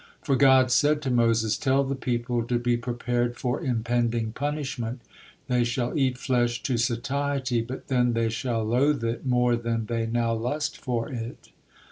For God said to Moses: "Tell the people to be prepared for impending punishment, they shall eat flesh to satiety, but then they shall loathe it more than they now lust for it.